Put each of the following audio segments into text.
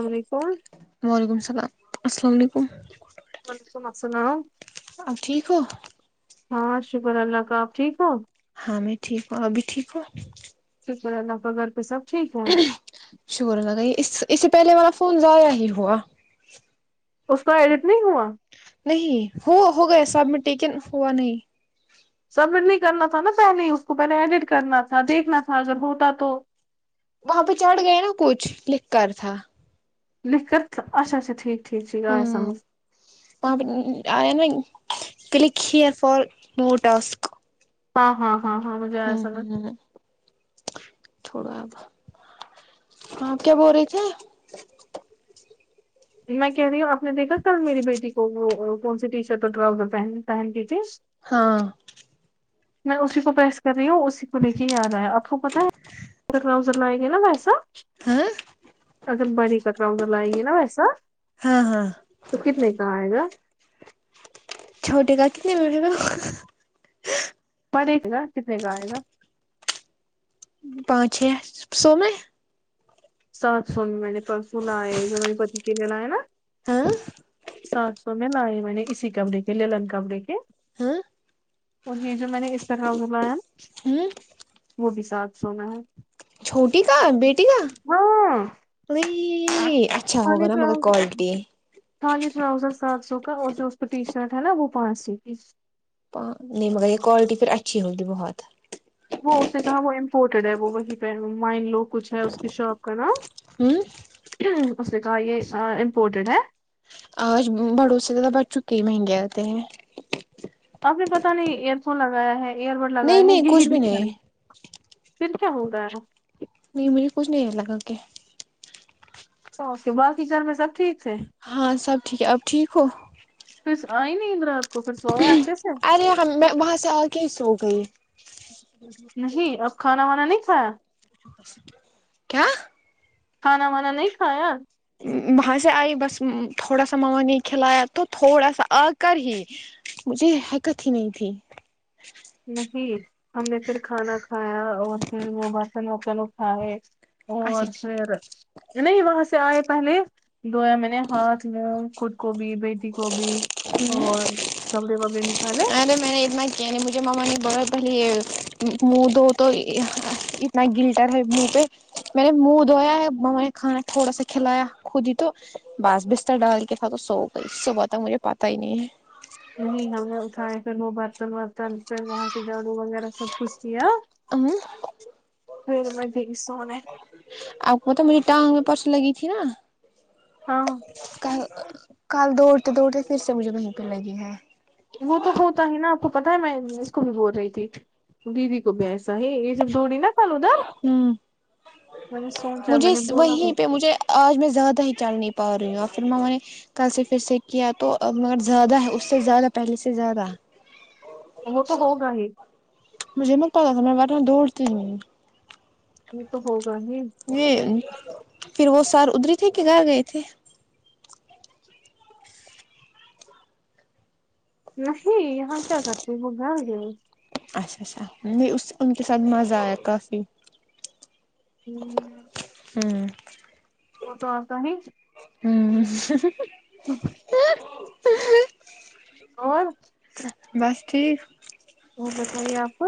السلام علیکم وعلیکم السلام السلام علیکم وعلیکم السلام آپ ٹھیک ہو ہاں شکر اللہ کا آپ ٹھیک ہو ہاں میں ٹھیک ہوں آپ بھی ٹھیک ہوں شکر ہے اللہ کا گھر پے سب ٹھیک ہے شکر اللہ کا اس اس سے پہلے والا فون ضیاء ہی ہوا اس کا ایڈٹ نہیں ہوا نہیں ہو ہو گئے سبمٹ ٹیکن ہوا نہیں سبمٹ نہیں کرنا تھا نا پہلے اس کو پہلے ایڈٹ کرنا تھا دیکھنا تھا اگر ہوتا تو وہاں پہ چڑھ گئے نا کچھ لکھ کر تھا لکھت اچا اچا ٹھیک ٹھیک ٹھیک آئے ہوں سمجھ ایا نئی click here for more task ہاں ہاں ہاں ہاں مجھے آیا سمجھ تھوڑا اب آپ کیا بول رہے تھے میں کہہ رہی ہوں آپ دیکھا کل میری بیٹی کو وہ کون سی ٹی شرٹ اور ٹراؤزر پہن پہن کی تھی ہاں میں اسی کو پیس کر رہی ہوں اسی کو لے کے ہی آ رہا ہے آپ کو پتہ ہے ڈراؤزر لائے گے نا ویسا ہاں [unintelligible] گے نا ویسا ہاں ہاں تو کتنے کا آئے گا چھوٹی کا کرنے میں ملیگا [unintelligible] پڑے گا کتنے کا آئے گا پانچ چھ سوومیں سات سو میں مئی نےپرسو لائے جو مے بچی کا لایا نا ہاں سات سو میں لائے میں نے اسی کپڑے کے للن کپڑے کے ہاں اور یہ جو میں نے اسکا دروزین لایا نا ہوں وہ بھی ساتھ سو میں ہے چھوٹی کا بیٹی ہاں ا اچھا ہوگا خالی نا مگر ٹراؤزر کول کیے خالی ٹراؤزر سات سو کا اور جو اس کو ٹی شرٹ ہے نا وہ پانچ سو کی اں نہیں مگر یہ کوالٹی پھر اچھی ہوگی بہت وہ اس نے کہاں وہ امپورٹیڈ ہے وہ وہی پہ مائن لو کچھ ہے اس کی شاپ کا نام ہوں اسنے کہا یہ ا امپورٹڈ ہے آج بڑو سے ذیادہ بچوں کے مہنگے آتے ہیں آپ نے پتاہ نہیں ایئر فون لگایا ہے ایئر بڈ نہیں لگایا ہے نہیں یہی کچھ بھی نہیں ڈفرنٹ پھر کیا ہوگا نہیں میرری کچھ نہیں ہے لگا کے اوکے باقی گھر میں سب ٹھیک ھے ہاں سب ٹھیک ہے اب ٹھیک ہو پھر آئی نہیں اندرات کو پھر سو گیا اچھے سے ارے میں وہاں سے آ کے سو گئی نہیں اب کھانا وانا نہیں کھایا کیا کھانا وانا نہیں کھایا وہاں سے آئی بس تھوڑا سا ماما نے کھلایا تو تھوڑا سا آ کر ہی مجھے حکت ہی نہیں تھی نہیں ہم نے پھر کھانا کھایا اور پھر وہ برتن ورتن اٹھائے اچھا اور اچھا پھر نہیں وہاں سے آئے پہلے دویا میں نے ہاتھ منہ خود کو بھی بیٹی کو بھی اور کپڑے واپڈے نکالے الے میں نے اتنا کیا نہیں مجھے ماما نے بہت پہلے یہ منہ دھو تو نہ گلٹر ہے منہ پے میں نے منہ دھویا ہے ماما نے کھانا تھوڑا سا کھلایا خود ہی تو باس بستر ڈال کے تھا تو سوگیی صبح تک مجھے پتا ہی نہیں ہے نہیں ہم نے اٹھائے پھر وہ برتن ورتن پھر وہاں سے جاڑو وغیرہ سب پچتیا ہے پھر میں گئی سونے آپکو پتا میری ٹانگ میں پرسوں لگی تھی نہ ہاں کل کل دوڑتے دوڑتے پھر سے مجھے وہیں پہ لگی ہے وہ تو ہوتا ہی نا آپ کو پتہ ہے میں اس کو بھی بول رہی تھی دیدی کو بھی ایسا ہی یہ جو دوڑی نا کل ادھر ہ میں نے سوچا میں مجھے نے بولا بھی، وہیں پہ مجھے آج میں زیادہ ہی چل نہیں پارہی ہوں پھر ممما نے کل سے پھر سے کیا تو مگر زیادہ ہے اس سے زیادہ پہلے سے زیادہ وہ تو ہوگا ہی مجھے [unintelligible] یہ تو ہوگا نہیں یہ پھر وہ سر ادری تھی کہ گھر گئے تھے نہیں یہاں کیا کرتی وہ گھر گی اچھا اچھا نہیں اس ان کے ساتھ مزہ آیا کافی ہمم ہمم [unintelligible] ہمم اور بس ٹھیک اور بتائیے آپ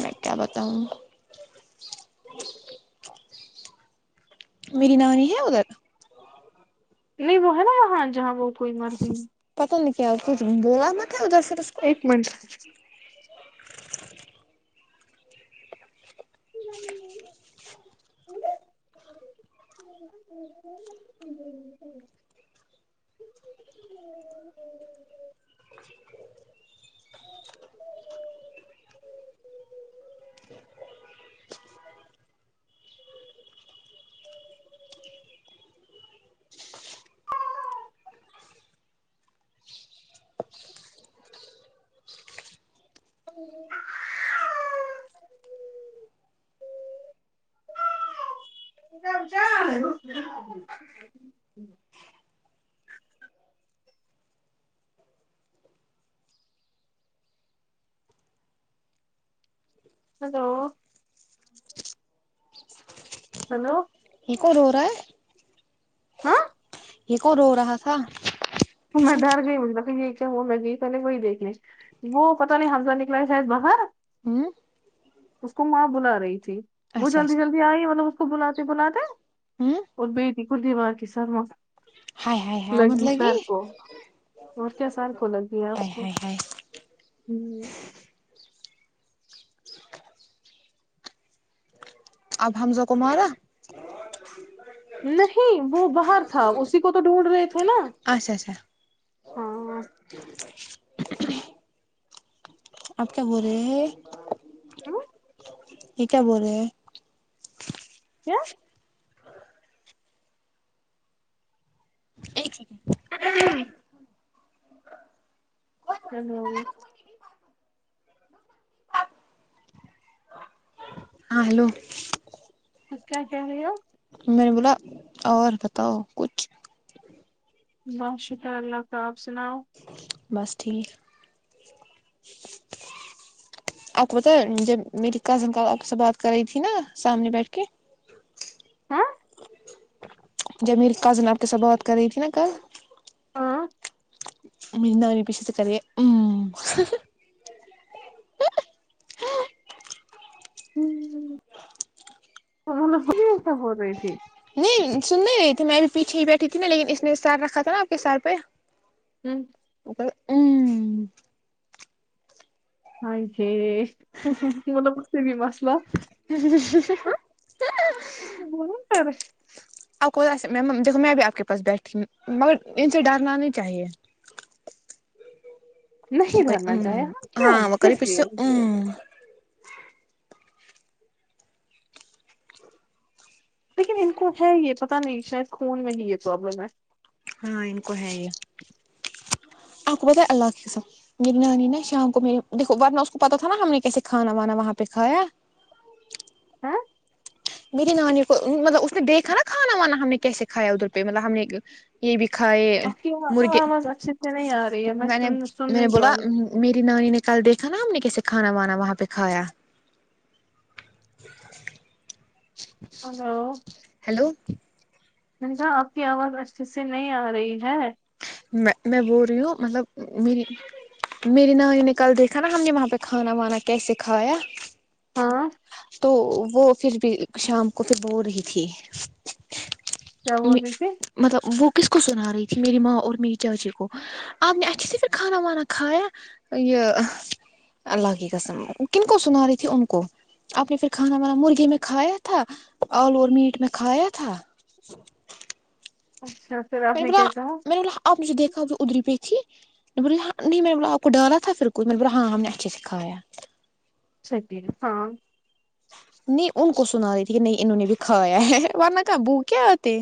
میں کیا بتاؤں میری نانی ہے ادھر نہیں وہ ہے نا وہاں جہاں وہ کوئی مرضی پتہ نہیں کیا کچھ [unintelligible] ایک منٹ [unintelligible] ہیلو ہیلو یہ کون رورہا ہے ہاں یہ کون رورہا تھا تو میں ڈر گئی [unintelligible] وہ میں گئی پہلے وہی دیکھ لی وہ پتہ نہیں حمزہ نکلا شاید باہر ہوں اس کو ماں بلا رہی تھی وہ اچھا جلدی اچھا جلدی آئی مطلب اس کو بلاتے بلاتے ہوں اور بیٹی کو دیوار کی سر ہائے ہائے ہائے لگی مطلب کی سر کو اور کیا سال کو لگ گیا اس کو ہ ہم اب حمزہ کو مرا نہیں وہ باہر تھا اسی کو تو ڈھونڈ رہے تھے نا اچھا اچھا ہاں آپ کیا بول رہے ہیں ہوں، یہ کیا بول رہے کیا ایک سیکنڈ اہ ہم ہیلو ہاں ہیلو کیا کہہ رہی ہو میں نے بولا اور بتاؤ کچ بس شکری اللہ کا اب سناؤ بس ٹھیک آپ کو پتا ہے جب میری کزن کا آپ سے بات کر رہی تھی نا سامنے بیٹھ کے ہاں جب میری کازن آپ کے ساتھ بات کر رہی تھی نا کل ہاں مندا نہیں پشت کرے ہ [unintelligible] [unintelligible] سب ہوگئی تھی نہیں سن نہیں رہی تھی میں ابھی پیچھے ہی بیٹھی تھی نا لیکن اس نے سار رکھا تھا نا آپ کے سار پے ہوں پ ام [inaudible] بولوں پر [unintelligible] آپ کو ایس میں م جیسے میں اپ کے پاس بیٹھتی ہوں مگر ان سے ڈرنا نہیں چاہیے نہیں دھرنا چاہے ہم کیوں کس لیے [inaudible] لیکن ان کو ہے یہ پتہ نہیں شاید خون میں ہی یہ پروابلم ہے ہاں ان کو ہے یے آپ کو پتا ہے اللہ کے سب میری نانی نے شام کو میری دیکو ورنہ اس کو پتا تھا نا ہم نے کیسے کھانا وانا وہاں پہ کھایا ہیں میری نانیوں کو مطلب اس نے دیکھا نا کھانا وانا ہم نے کیسے کایا ادھر پہ مطلب ہم نے یہ بھی کھائے آپ کی مرغے آواز اچھے سے نہیں آ رہی ہے میں نے سن سن میں نے نہیں بولا پا رہی میری نانی نے کل دیکھا نا ہم نے کیسے کھانا بانا وہاں پہ کھایا ہیلو ہیلو منجا آپ کی آواز اچھے سے نہیں آ رہی ہے میں میں بول رہی ہوں مطلب میری میری نانی نے کل دیکھا نا ہم نے وہاں پہ کھانا وانا کیسے کھایا ہاں تو وہ پھر بھی شام کو تو بول رہی تھی کیا بول رہی تھی مطلب وہ کس کو سنا رہی تھی میری ماں اور میری چاچی کو آپ نے اچہے سے کھانا وانا کھایا ائیوں الگ ہی قسم کن کو سناری تھی ان کو آپ نے پھر کھانا بانا مرغی میں کھایا تھا آلو اور میٹ میں کھایا تھا اچھا پھر میں آپ نے بولا کیا کہا میں نے بولا اب مجھ دیکھا ادری پیکھی بوےاں نہیں میں نے بولا آپ کو ڈالا تھا پھر کو میں نے بو ہاں ہم نے اچھے سے سکھایا سب ہے ہاں نہیں ان کو سنا رہی تھی کہ نہیں انہوں نے بھی کایا ہے ورنہ کیا بھوکے اتے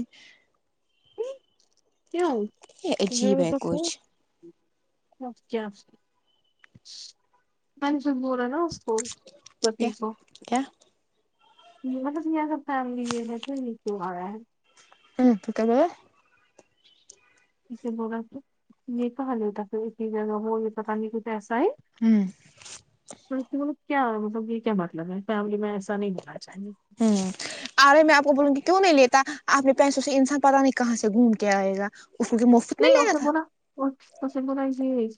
کیوں عجیب ہے کچھ اب کیا کو کیا سبھی کو کیا جی مطلب یہ سب فیملی میں ہے پھرچ آ رہا ہے [unintelligible] بغا یہ تو حالتا تو ایک ہی جگہ وہ یہ پ پانی کو د ایسا ہے [unintelligible] ہوں کیا مطلب یہ کیا مطلب ہے فیملی میں ایسا نہیں ملنا چاہی گے ہوں آ رہے میں آپ کو بولوں گی کیوں نہیں لیتا آپ نے پیسوں سے انسان پتا نہیں کہاں سے گھوم کے آئے گا اس کے مفت میں نہیں لینا اکے تھا مر [unintelligible] اور پس ہے اس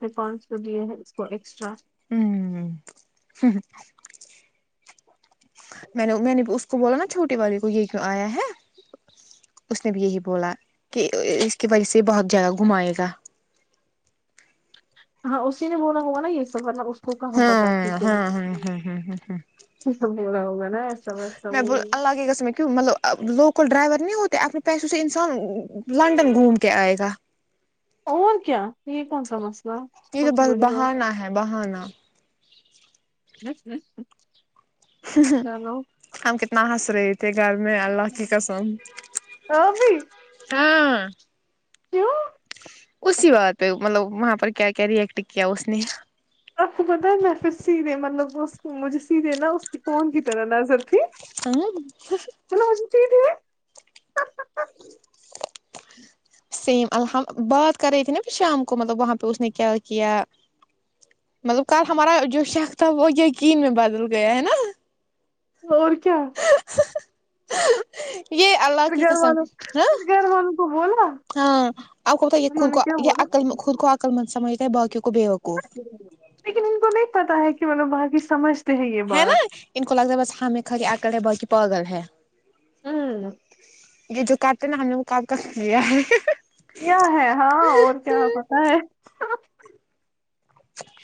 بھی دیے ہیں اس کو ایکسٹرا [unintelligible] ہوں ہ میں نے میں نے اس کو بولا نا چھوٹے والے کو یہ کیوں آیا ہے اس نے بھی یہی بولا کہ اس کی وجہ سے بہت جگہ گھمائے گا ہاں اسی نے بولا ہوگا نا یہ سب مطلب اس کو کہاں پتا ا ہاں ہاں ہاں ہاں ہاں ہوگا نا سمج س میں بول [unintelligible] اللہ کی قسم میں کیوں مطلب لوکل ڈرائیور نہیں ہوتے اپنے پیسوں سے انسان لنڈن گھوم کے آئے گا اور کیا یہ کون سا مسئلہ کونسی بڑی بات ہے بہانہ بس ہم کتنا ہنس رہے تھے گھر میں اللہ کی قسم بھی ہاں کیوں اسی بات پہ مطلب وہاں پر کیا کیا ری ایکیکٹ کیا اس نے آپ کو پتہ ہے میں پھر سیدھے مطلب مجھے سیدھے نا اس کی فون کی طرح نظر تھی ہاں ہلو جی جی ٹھیک [unintelligible] سیم الحم بات کر رہی تھی نا پھر شام کو مطلب وہاں پہ اس نے کیا کیا مطلب کل ہمارا جو شک تھا وہ یقین میں بدل گیا ہے نا اور کیا یہ اللہ پر کی گھر قسم والوں ہاں پر گھر والوں کو بولا ہاں آ خود یہ انہوں خود نے کو کیا یہ بولا عقل مند خود کو عقل مند سمجھتا ہے بقیوں کو بیوقوف لیکن ان کو نہیں پتا ہے کہ مطلب باقی سمجھ ہے نا ان کو لگتا ہے بس ہمیں کری عقل ہے باقی پگل ہے ہوں یہ جو کرتے ہیں نا ہم نے وہ کب کا کرلیا ہے کیا ہے ہاں اور کیا پتہ ہے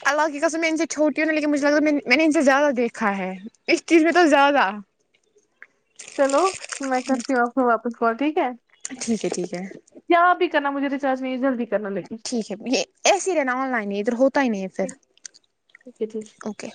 اللہ کی قسم میں ا ان سے چوٹی ہوںا لیکن مجھے لگتا ہے میں میں نے ان سے زیادہ دیکھا ہے اس چیز میں تو زیادہ چلو میں کرتی ہوں آپ کو واپس کال ٹھیک ہے ٹھیک ہے ٹھیک ہے کیا آپ ہی کرنا مجھے ریچارج نہیں ہے جلدی کرنا لیکن ٹھیک ہے یہ ایسے ہی رہنا آن لائن ہے ادھر ہوتا ہی نہیں ہے ٹھیک پھر ہے ٹھیک اوکے